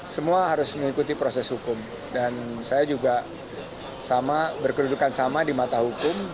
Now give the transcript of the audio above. semua harus mengikuti proses hukum dan saya juga sama berkedudukan sama di mata hukum